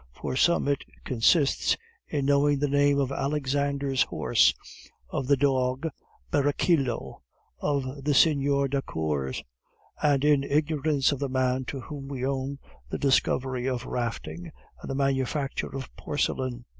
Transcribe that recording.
For some it consists in knowing the name of Alexander's horse, of the dog Berecillo, of the Seigneur d'Accords, and in ignorance of the man to whom we owe the discovery of rafting and the manufacture of porcelain.